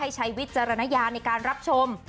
ใช้วิจารณญาณในการรับชม